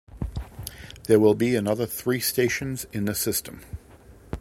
There will be another three stations in the system.